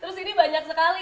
terus ini banyak sekali